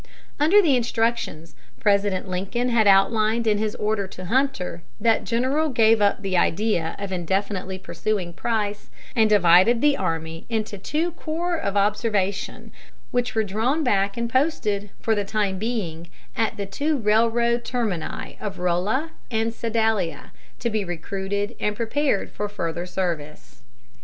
Under the instructions President Lincoln had outlined in his order to Hunter, that general gave up the idea of indefinitely pursuing Price, and divided the army into two corps of observation, which were drawn back and posted, for the time being, at the two railroad termini of Rolla and Sedalia, to be recruited and prepared for further service.